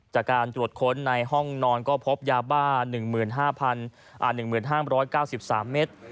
จากการตรวจค้นในห้องนอนก็พบยาบ้า๑๕๑๕๙๓เมตร